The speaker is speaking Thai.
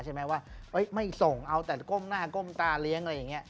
เก่งว่าไม่ส่งคุ้มหน้าก้มตาเลี้ยง